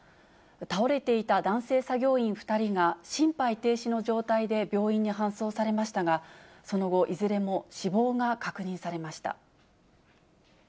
倒れていた男性作業員２人が、心肺停止の状態で病院に搬送されましたが、その後、いずれも死亡が確認されました。